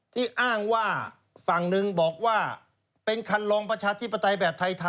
ที่อ้างว่าฝั่งหนึ่งบอกว่าเป็นคันลองประชาธิปไตยแบบไทย